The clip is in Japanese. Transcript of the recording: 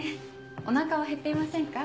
お腹はへっていませんか？